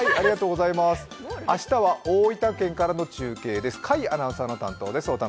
明日は大分県からの中継です。